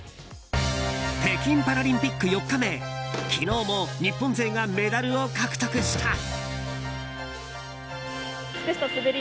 北京パラリンピック４日目昨日も日本勢がメダルを獲得した。